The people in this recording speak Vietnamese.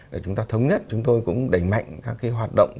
để chúng ta thống nhất chúng tôi cũng đẩy mạnh các cái hoạt động